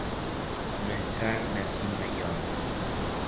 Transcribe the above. مهتر نسیم عیار